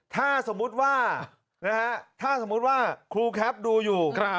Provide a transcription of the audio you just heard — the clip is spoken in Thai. ถ้าสมมุติว่าครูแคปดูอยู่